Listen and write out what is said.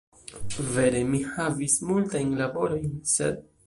Vere, mi havis multajn laborojn, sed